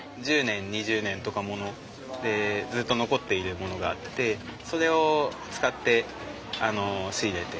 １０年２０年とか物でずっと残っているものがあってそれを使って仕入れて。